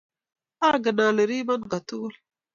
Ange ale ripon kotukul